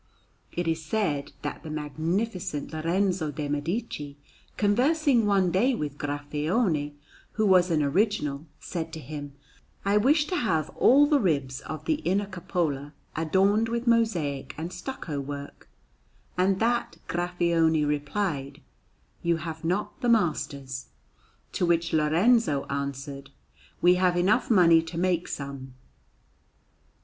It is said that the Magnificent Lorenzo de' Medici, conversing one day with Graffione, who was an original, said to him, "I wish to have all the ribs of the inner cupola adorned with mosaic and stucco work;" and that Graffione replied, "You have not the masters." To which Lorenzo answered, "We have enough money to make some."